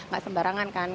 gak sembarangan kan